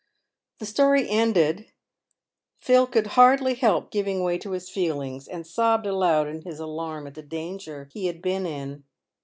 The story ended, Phil could hardly help giving way to his feelings, and sobbed aloud in his alarm at the danger he had been in.